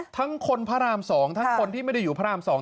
ทั้งคนพระราม๒ทั้งคนที่ไม่ได้อยู่พระราม๒